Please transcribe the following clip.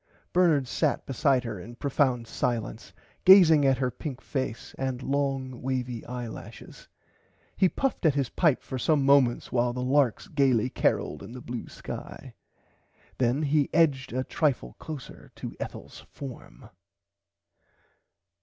Bernard sat beside her in profound silence gazing at her pink face and long wavy eye lashes. He puffed at his pipe for some moments while the larks gaily caroled in the blue sky. Then he edged a trifle closer to Ethels form.